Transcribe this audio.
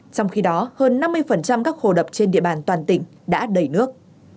trong khi đó hơn năm mươi các hồ đập trên địa bàn toàn tỉnh đã đầy nước